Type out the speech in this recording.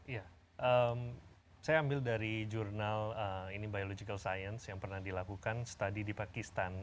ya saya ambil dari jurnal ini biological science yang pernah dilakukan study di pakistan